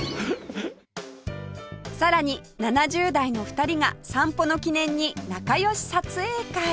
さらに７０代の２人が散歩の記念に仲良し撮影会